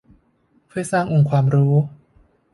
เพื่อสร้างองค์ความรู้